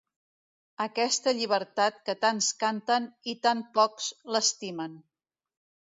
Aquesta llibertat que tants canten i tant pocs l'estimen